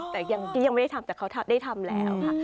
แต่ยังไม่ได้ทำแต่เขาได้ทำแล้วค่ะ